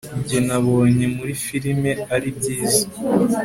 njye nabonye muri firime ari byiza